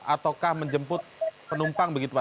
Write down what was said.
ataukah menjemput penumpang begitu pak